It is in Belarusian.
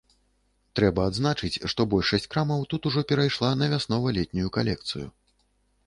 Трэба адзначыць, што большасць крамаў тут ужо перайшла на вяснова-летнюю калекцыю.